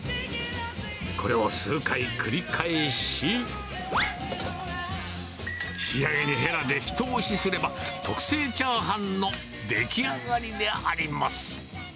これを数回繰り返し、仕上げにへらで一押しすれば、特製チャーハンの出来上がりであります。